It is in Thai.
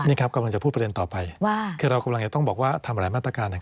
นี่ครับกำลังจะพูดประเด็นต่อไปว่าคือเรากำลังจะต้องบอกว่าทำหลายมาตรการ